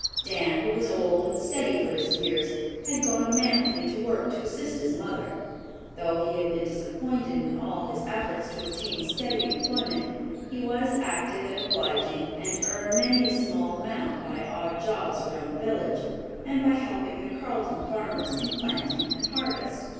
Dan, who was old and steady for his years, had gone manfully to work to assist his mother. Though he had been disappointed in all his efforts to obtain steady employment, he was active and obliging, and earned many a small amount by odd jobs around the village, and by helping the Carleton farmers in planting and harvest.